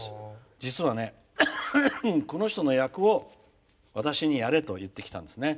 実はね、この人の役を私にやれと言ってきたんですね。